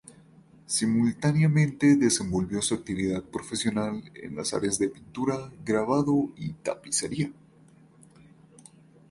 Simultáneamente desenvolvió su actividad profesional en las áreas de pintura, grabado, y tapicería.